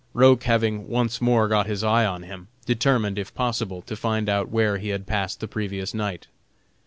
Roch having once more got his eye on him, determined, if possible, to find out where he had passed the previous night.